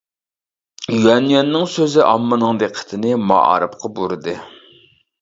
يۈەن يۈەننىڭ سۆزى ئاممىنىڭ دىققىتىنى مائارىپقا بۇرىدى.